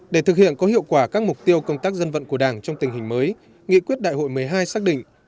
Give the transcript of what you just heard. để thực hiện có hiệu quả các mục tiêu công tác dân vận của đảng trong tình hình mới nghị quyết đại hội một mươi hai xác định